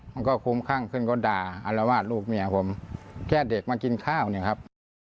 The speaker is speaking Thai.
มันก็คุ้มข้างขึ้นก็ด่าอารวาสลูกเมียผมแค่เด็กมากินข้าวเนี่ยครับ